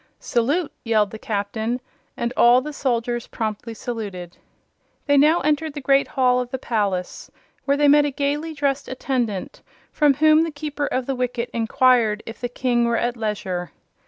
"Salute!" yelled the Captain, and all the soldiers promptly saluted. They now entered the great hall of the palace, where they met a gaily dressed attendant, from whom the Keeper of the Wicket inquired if the King were at leisure.